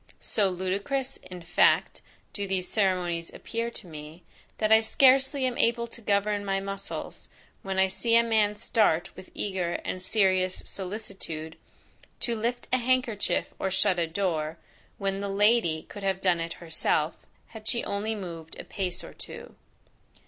So ludicrous, in fact, do these ceremonies appear to me, that I scarcely am able to govern my muscles, when I see a man start with eager, and serious solicitude to lift a handkerchief, or shut a door, when the LADY could have done it herself, had she only moved a pace or two.